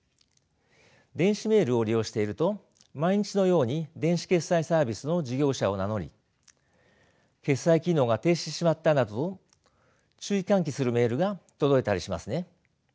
電子メールを利用していると毎日のように電子決済サービスの事業者を名乗り決済機能が停止してしまったなどと注意喚起するメールが届いたりしますね。